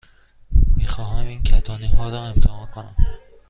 می خواهم این کتانی ها را امتحان کنم.